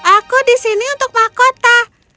aku disini untuk mahkota